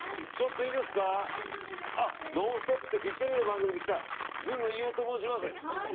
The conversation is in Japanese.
「ノンストップ！」ってフジテレビの番組から来たずんの飯尾と申します。